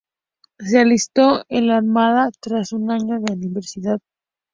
Se alistó en la armada tras un año de universidad.